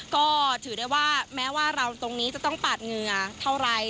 ก็ถือได้ว่าแม้ว่าเราตรงนี้จะต้องปาดเหงื่อเท่าไร